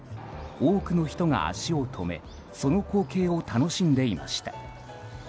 多くの人が足を止めその光景を楽しんでいました。